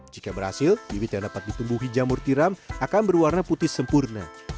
jika berhasil bibit yang dapat ditumbuhi jamur tiram akan berwarna putih sempurna